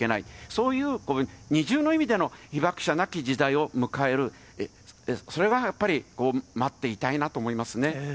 そういう二重の意味での被爆者なき時代を迎える、それはやっぱり、待っていたいなと思いますね。